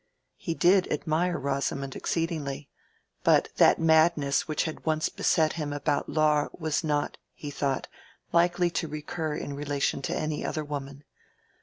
He did admire Rosamond exceedingly; but that madness which had once beset him about Laure was not, he thought, likely to recur in relation to any other woman.